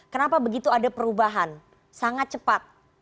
kenapa begitu ada perubahan sangat cepat